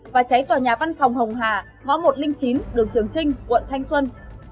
và cháy tòa nhà văn phòng hồng hà ngõ một trăm linh chín đường trường trinh quận thanh xuân